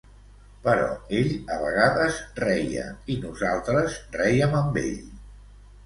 Però ell a vegades reia, i nosaltres rèiem amb ell.